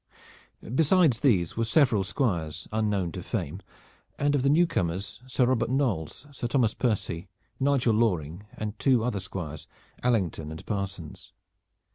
Besides these were several squires, unknown to fame, and of the new comers, Sir Robert Knolles, Sir Thomas Percy, Nigel Loring and two other squires, Allington and Parsons.